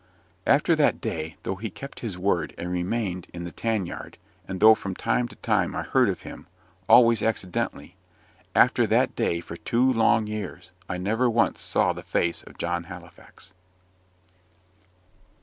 After that day, though he kept his word, and remained in the tan yard, and though from time to time I heard of him always accidentally, after that day for two long years I never once saw the face of John Halifax.